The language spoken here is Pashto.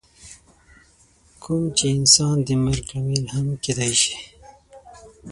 کوم چې انسان د مرګ لامل هم کیدی شي.